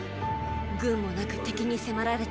軍もなく敵に迫られて。